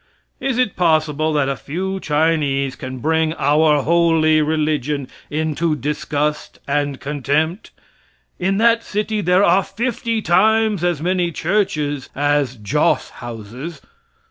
Is it possible that a few Chinese can bring "our holy religion" into disgust and contempt? In that city there are fifty times as many churches as joss houses.